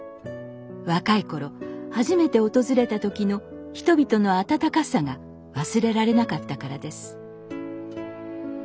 若い頃初めて訪れた時の人々の温かさが忘れられなかったからです